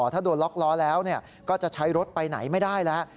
ถ้าโดนล็อกล้อแล้วก็จะใช้รถไปไหนไม่ได้แล้ว